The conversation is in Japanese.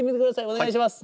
お願いします。